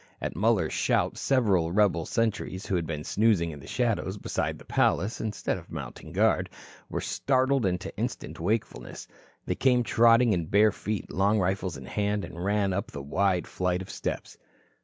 At Muller's shout, several rebel sentries, who had been snoozing in the shadows beside the palace, instead of mounting guard, were startled into instant wakefulness. They came trotting in bare feet, long rifles in hand, and ran up the wide flight of steps.